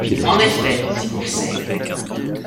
En effet, dit Conseil.